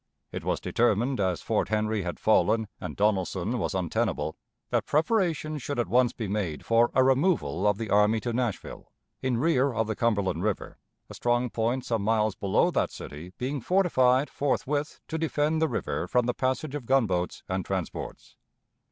It was determined, as Fort Henry had fallen and Donelson was untenable, that preparations should at once be made for a removal of the army to Nashville, in rear of the Cumberland River, a strong point some miles below that city being fortified forthwith to defend the river from the passage of gunboats and transports.